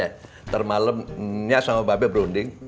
ya termalemnya sama mbak be berunding